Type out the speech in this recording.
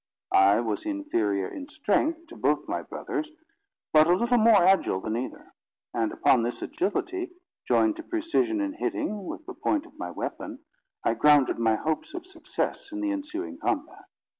I was inferior in strength to both my brothers, but a little more agile than either; and upon this agility, joined to precision in hitting with the point of my weapon, I grounded my hopes of success in the ensuing combat.